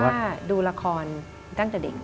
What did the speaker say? เพราะว่าดูละครตั้งแต่เด็ก